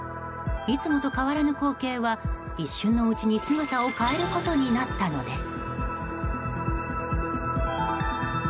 いつもと変わらぬ光景は一瞬のうちに姿を変えることになったのです。